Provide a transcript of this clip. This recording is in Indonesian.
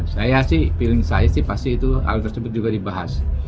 saya sih pilih saya sih pasti itu hal tersebut juga dibahas